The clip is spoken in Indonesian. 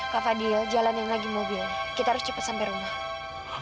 kak fadil jalanin lagi mobil kita harus cepat sampai rumah